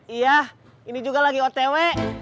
iya ini juga lagi otw